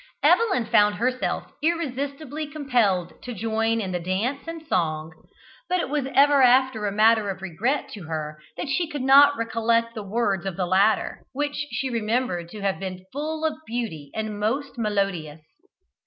Evelyn found herself irresistibly compelled to join both in the dance and song, but it was ever after a matter of regret to her that she could not recollect the words of the latter, which she remembered to have been full of beauty and most melodious.